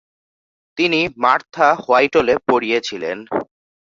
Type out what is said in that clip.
তিনি Martha Whiteley পড়িয়েছিলেন।